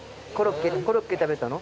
コロッケ食べたの？